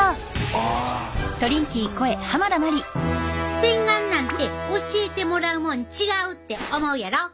洗顔なんて教えてもらうもん違うって思うやろ？